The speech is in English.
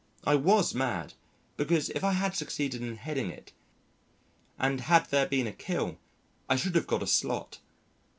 I was mad, because if I had succeeded in heading it and had there been a kill, I should have got a slot.